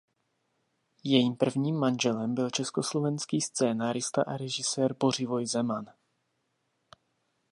Jejím prvním manželem byl československý scenárista a režisér Bořivoj Zeman.